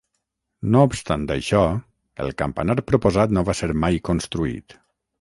No obstant això, el campanar proposat no va ser mai construït.